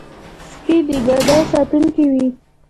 سپي د ګاډي ساتونکي وي.